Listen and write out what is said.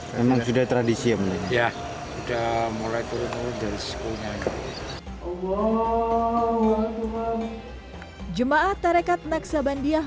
memang sudah tradisional ya udah mulai turun dari sekolah allah allah jemaat tarekat naksabandiyah